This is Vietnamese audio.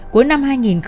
của năm hai nghìn một mươi